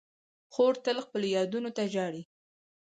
خور تل خپلو یادونو ته ژاړي.